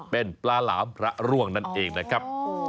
เป็นปลาหลามพระร่วงนั่นเองนะครับ